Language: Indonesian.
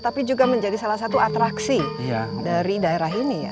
tapi juga menjadi salah satu atraksi dari daerah ini ya